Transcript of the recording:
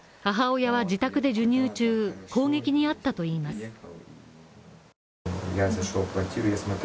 母親は自宅で授乳中、攻撃に遭ったといいます。